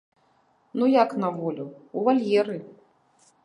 Ну як на волю, у вальеры.